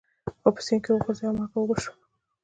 خر په سیند کې وغورځید او مالګه اوبه شوه.